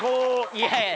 いやいや。